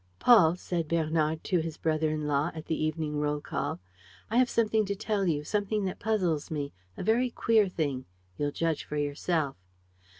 "Paul," said Bernard to his brother in law, at the evening roll call, "I have something to tell you, something that puzzles me, a very queer thing: you'll judge for yourself.